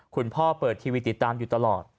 คุณพ่อเปิดทีวีติดตามอยู่ตลอด